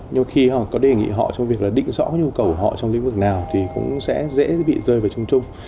nhưng khi họ có đề nghị họ trong việc là định rõ nhu cầu của họ trong lĩnh vực nào thì cũng sẽ dễ bị rơi vào chung chung